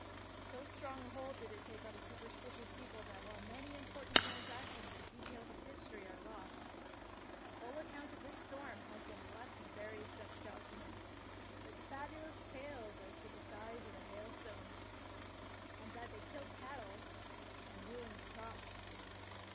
So strong a hold did it take on the superstitious 74 THE PKINCESS WINS people that while many important transactions and details of history are lost, a full account of this storm has been left in various Dutch documents, with fabulous tales as to the size of the hailstones, and that they killed cattle and ruined crops.